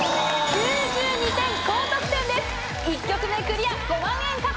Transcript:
１曲目クリア！